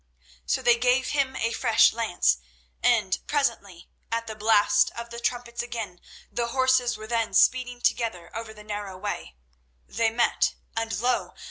So they gave him a fresh lance, and, presently, at the blast of the trumpets again the horses were seen speeding together over the narrow way. They met, and lo!